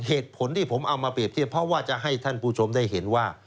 เหตุผลที่ผมเอามาเปรียบเทียบเพราะว่าจะให้ท่านผู้ชมได้เห็นว่า